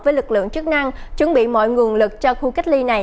với lực lượng chức năng chuẩn bị mọi nguồn lực cho khu cách ly này